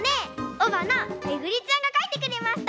おばなめぐりちゃんがかいてくれました。